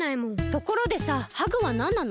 ところでさハグはなんなの？